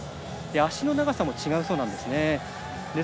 足の長さも違うそうです。